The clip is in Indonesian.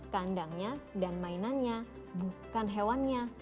kandangnya dan mainannya bukan hewannya